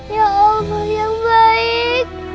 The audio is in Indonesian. ya allah yang baik